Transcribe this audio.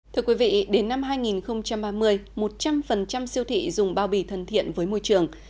thưa quý vị đến năm hai nghìn ba mươi một trăm linh siêu thị dùng bao bì thân thiện với môi trường